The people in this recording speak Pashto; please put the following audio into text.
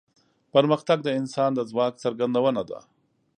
پرمختګ د انسان د ځواک څرګندونه ده.